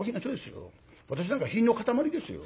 私なんか品の塊ですよ。